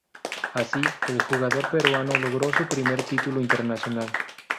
Así, el jugador peruano logró su primer título internacional.